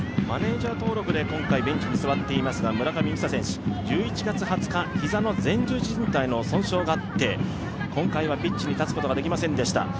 マネージャー登録で今回ベンチに座っていますが、村上選手、１１月２０日ひざの前十字靱帯の損傷があって今回はピッチに立つことはできませんでした。